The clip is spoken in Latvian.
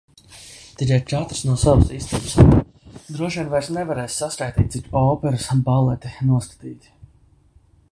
Tikai katrs no savas istabas. Droši vien vairs nevarēs saskaitīt, cik operas, baleti noskatīti.